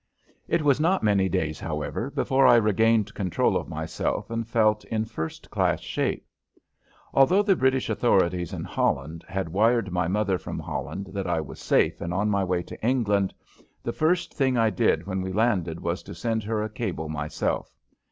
It was not many days, however, before I regained control of myself and felt in first class shape. Although the British authorities in Holland had wired my mother from Holland that I was safe and on my way to England, the first thing I did when we landed was to send her a cable myself.